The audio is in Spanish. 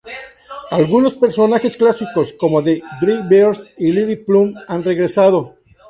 Algunos personajes clásicos, como The Three Bears y Little Plum, han regresado.